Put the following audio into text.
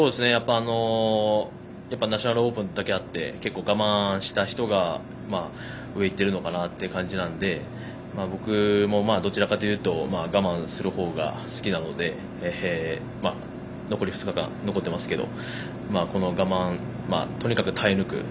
ナショナルオープンなだけあって結構、我慢した人が上に行っているのかなという感じなので僕もどちらかというと我慢する方が好きなので残り２日間、残ってますけどとにかく耐え抜く。